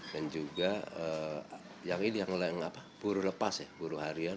dan juga yang ini yang apa buruh lepas ya buruh lepas